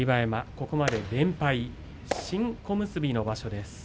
ここまで連敗新小結の場所です。